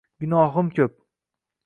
Gunohim ko’p